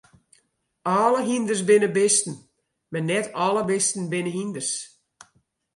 Alle hynders binne bisten, mar net alle bisten binne hynders.